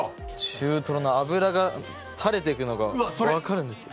中トロの脂がたれてくのが分かるんですよ。